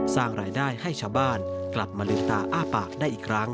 สร้างรายได้ให้ชาวบ้านกลับมาลืมตาอ้าปากได้อีกครั้ง